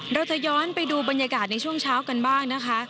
เราจะย้อนไปดูบรรยากาศในช่วงเช้ากันบ้างนะคะ